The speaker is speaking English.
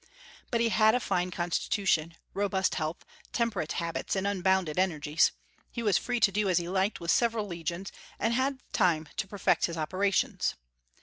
But he had a fine constitution, robust health, temperate habits, and unbounded energies. He was free to do as he liked with several legions, and had time to perfect his operations.